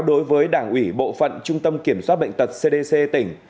đối với đảng ủy bộ phận trung tâm kiểm soát bệnh tật cdc tỉnh